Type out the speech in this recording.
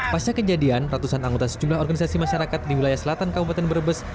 pasca kejadian ratusan anggota sejumlah organisasi masyarakat di wilayah selatan kabupaten brebes